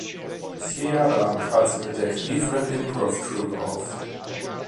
Vier Jahre lang trat sie mit der Cleveland Improv Troupe auf.